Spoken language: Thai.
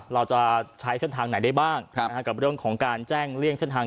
เราจะใช้เส้นทางไหนได้บ้างกับเรื่องของการแจ้งเลี่ยงเส้นทาง